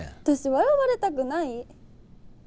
私笑われたくない。